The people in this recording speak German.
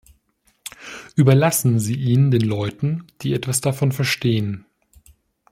Überlassen Sie ihn den Leuten, die etwas davon verstehen.